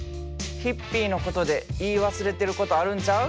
ヒッピーのことで言い忘れてることあるんちゃう？